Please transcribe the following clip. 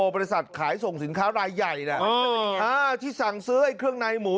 บริษัทขายส่งสินค้ารายใหญ่ที่สั่งซื้อไอ้เครื่องในหมู